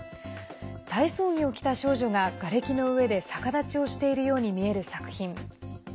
体操着を着た少女ががれきの上で逆立ちをしているように見える作品。